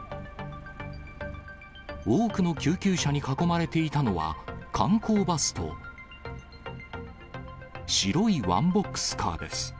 多くの救急車に囲まれていたのは、観光バスと白いワンボックスカーです。